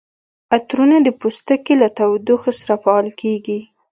عطرونه د پوستکي له تودوخې سره فعال کیږي.